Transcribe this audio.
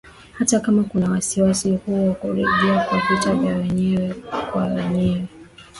hata kama kuna wasiwasi huo wa kurejea kwa vita vya wenyewe kwa wenyewe